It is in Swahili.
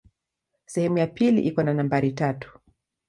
Sehemu ya pili iko na nambari tatu.